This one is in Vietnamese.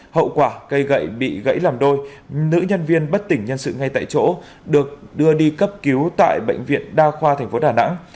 hậu quả cây gậy bị gãy làm đôi nữ nhân viên bất tỉnh nhân sự ngay tại chỗ được đưa đi cấp cứu tại bệnh viện đa khoa tp đà nẵng